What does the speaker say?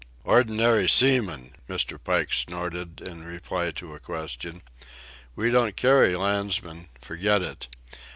"Ordinary seamen!" Mr. Pike snorted, in reply to a question. "We don't carry Landsmen!—forget it!